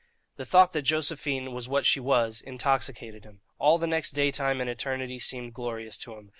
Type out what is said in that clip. The thought that Josephine was what she was intoxicated him; all the next day time and eternity seemed glorious to him.